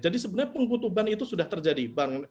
jadi sebenarnya pengkutuban itu sudah terjadi